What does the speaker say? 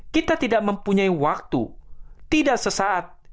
kita tidak mempunyai waktu tidak sesaat